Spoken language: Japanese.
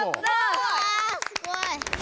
うわすごい。